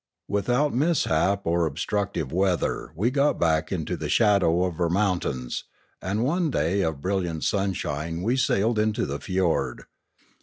Without mishap or obstructive weather we got back into the shadow of our mountains; and one day of bril liant sunshine we sailed into the fiord.